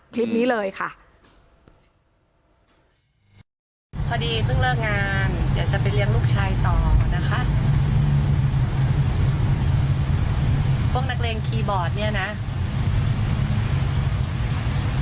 พอดีเพิ่งเลิกงานเดี๋ยวจะเรียนลูกชายก็ตอบนะคะ